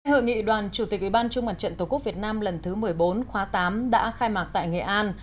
hội nghị đoàn chủ tịch ủy ban trung mặt trận tổ quốc việt nam lần thứ một mươi bốn khóa tám đã khai mạc tại nghệ an